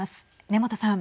根本さん。